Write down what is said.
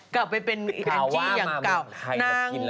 กลับไปเป็นแอนจี้อย่างเก่า